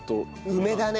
梅だね。